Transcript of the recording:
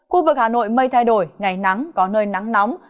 khu vực hà nội mây thay đổi ngày nắng có nơi nắng nóng